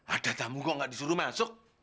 ada tamu kok nggak disuruh masuk